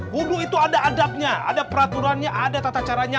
hulu itu ada adabnya ada peraturannya ada tata caranya